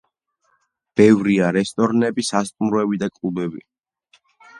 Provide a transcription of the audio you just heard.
ბევრია რესტორნები, სასტუმროები და კლუბები.